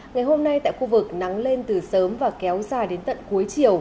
ngày hôm nay tại khu vực nắng lên từ sớm và kéo dài đến tận cuối chiều